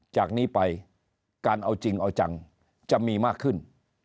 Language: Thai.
จากนี้ไปการเอาจริงเอาจังจะมีมากขึ้น